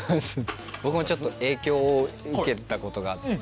僕もちょっと影響を受けたことがあって。